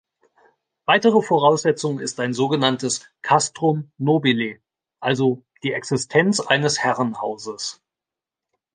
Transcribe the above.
Weitere Voraussetzung ist ein sogenanntes "castrum nobile", also die Existenz eines Herrenhauses.